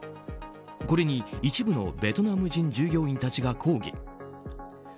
これに、一部のベトナム人従業員たちが抗議。